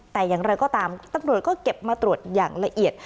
แต่อย่างไรก็ตามตำรวจก็เก็บมาตรวจอย่างละเอียด